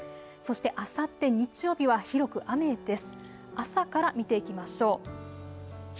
そして、あさって日曜日は広く雨です。